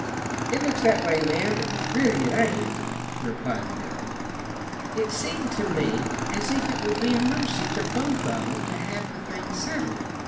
"It looks that way, ma'am, but really it ain't," replied the girl. "It seemed to me as if it would be a mercy to both of 'em to have the thing settled.